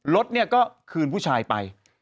รถเนี่ยก็คืนผู้ชายไป